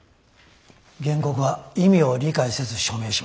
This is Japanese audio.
原告は意味を理解せず署名しました。